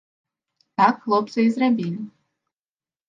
Так хлопцы і зрабілі.